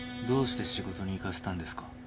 どうして仕事に行かせたんですか？